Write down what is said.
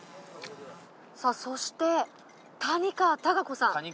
さぁそして谷川貴子さん。